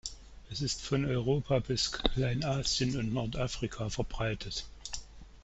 Sie ist von Europa bis Kleinasien und Nordafrika verbreitet.